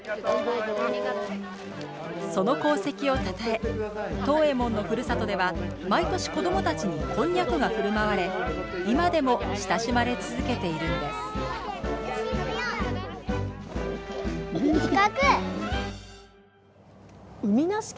その功績をたたえ藤右衛門のふるさとでは毎年子どもたちにこんにゃくが振る舞われ今でも親しまれ続けているんです四角！